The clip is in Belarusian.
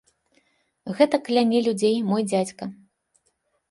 Гэтак кляне людзей мой дзядзька.